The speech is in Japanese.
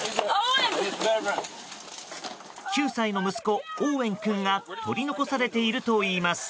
９歳の息子、オーウェン君が取り残されているといいます。